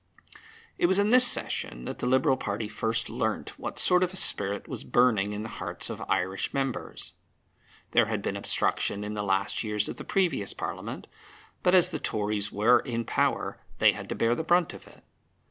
It was in this session that the Liberal party first learnt what sort of a spirit was burning in the hearts of Irish members. There had been obstruction in the last years of the previous Parliament, but, as the Tories were in power, they had to bear the brunt of it.